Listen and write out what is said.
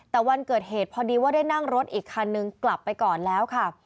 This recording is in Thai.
แต่วันเกิดเหตุพอดีว่าได้นั่งรถอีกคันนึงกลับไปก่อนแล้วค่ะ